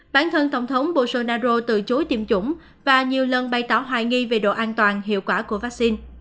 bản thân tổng thống bolsonaro từ chối tiêm chủng và nhiều lần bày tỏ hoài nghi về độ an toàn hiệu quả của vaccine